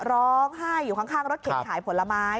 ร้องไห้อยู่ข้างรถเข็นขายผลไม้